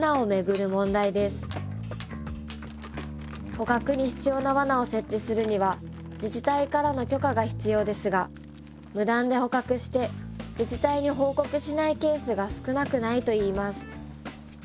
捕獲に必要なワナを設置するには自治体からの許可が必要ですが無断で捕獲して自治体に報告しないケースが少なくないといいます。